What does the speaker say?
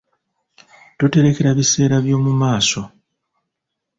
Tuterekera biseera by'omu maaso.